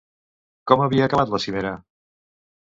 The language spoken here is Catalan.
Com havia acabat la cimera?